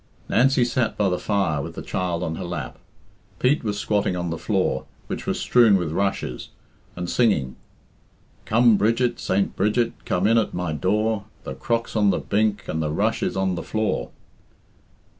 Nancy sat by the fire with the child on her lap. Pete was squatting on the floor, which was strewn with rushes, and singing "Come, Bridget, Saint Bridget, come in at my door, The crock's on the bink, and the rush is on the floor."